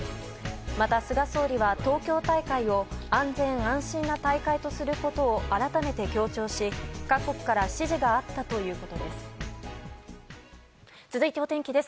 また菅総理は東京大会を安全・安心な大会とすることを改めて強調し各国から支持があったということです。